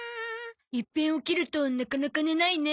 いっぺん起きるとなかなか寝ないね。